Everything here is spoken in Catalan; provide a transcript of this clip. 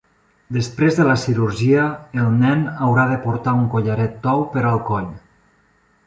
Després de la cirurgia, el nen haurà de portar un collaret tou per al coll.